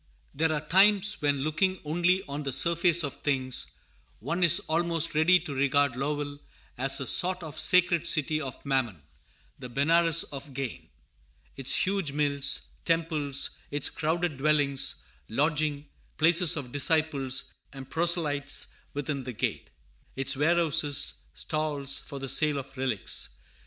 ] THERE are times when, looking only on the surface of things, one is almost ready to regard Lowell as a sort of sacred city of Mammon, the Benares of gain: its huge mills, temples; its crowded dwellings, lodging places of disciples and "proselytes within the gate;" its warehouses, stalls for the sale of relics.